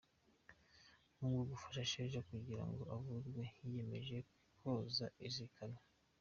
Kubwo gufasha Sheja kugira ngo avurwe, yiyemeje koza iki gikamyo .